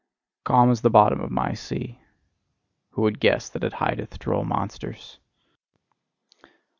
Calm is the bottom of my sea: who would guess that it hideth droll monsters!